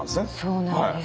そうなんです。